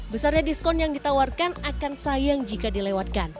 besarnya diskon yang ditawarkan akan sayang jika dilewatkan